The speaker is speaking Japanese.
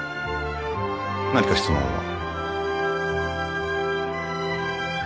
何か質問は？